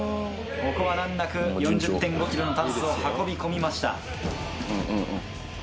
ここは難なく４０．５ｋｇのタンスを運び込みました。